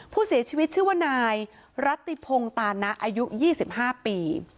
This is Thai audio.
ผู้เสียชีวิตชื่อว่านายรัตติพงตานะอายุ๒๕ปี